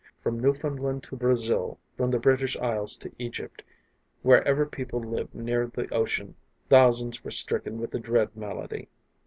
From Newfoundland to Brazil; from the British Isles to Egypt, wherever people lived near the ocean, thousands were stricken with the dread malady.